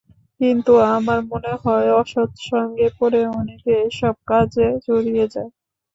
কিন্তু আমার মনে হয়, অসৎ সঙ্গে পড়ে অনেকে এসব কাজে জড়িয়ে যায়।